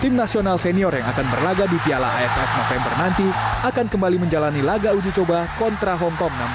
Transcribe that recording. tim nasional senior yang akan berlaga di piala aff november nanti akan kembali menjalani laga uji coba kontra hometom enam belas